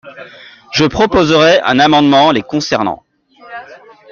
Je proposerai un amendement les concernant.